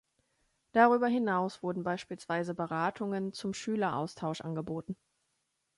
Darüber hinaus wurden beispielsweise Beratungen zum Schüleraustausch angeboten.